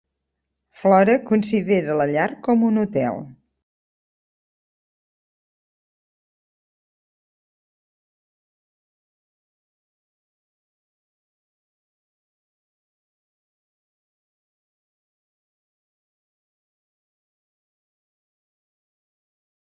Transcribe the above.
Flore considera la llar com un hotel.